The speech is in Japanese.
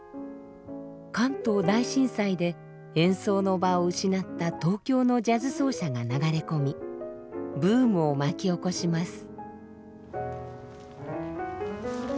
関東大震災で演奏の場を失った東京のジャズ奏者が流れ込みブームを巻き起こします。